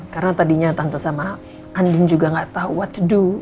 karena tadinya tante sama andin juga gak tau what to do